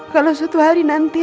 kalau suatu hari nanti